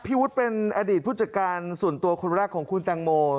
วุฒิเป็นอดีตผู้จัดการส่วนตัวคนแรกของคุณแตงโม